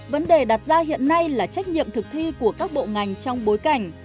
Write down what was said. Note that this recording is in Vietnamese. vấn đề đặt ra hiện nay là trách nhiệm thực thi của các bộ ngành trong bối cảnh